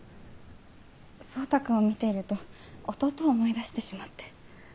蒼汰君を見ていると弟を思い出してしまって。